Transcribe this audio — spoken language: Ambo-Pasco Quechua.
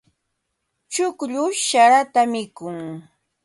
Chukllush sarata mikun.